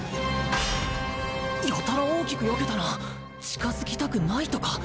やたら大きくよけたな近づきたくないとか？